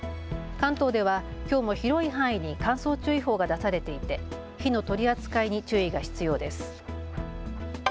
関東ではきょうも広い範囲に乾燥注意報が出されていて火の取り扱いに注意が必要です。